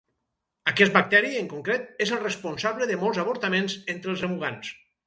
Aquest bacteri en concret és el responsable de molts avortaments entre els remugants.